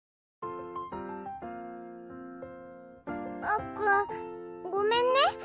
あっくんごめんね。